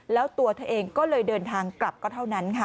แล้วตัวเธอเองก็เลยเดินทางกลับก็เท่านั้นค่ะ